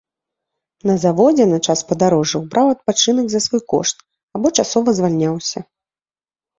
На заводзе на час падарожжаў браў адпачынак за свой кошт або часова звальняўся.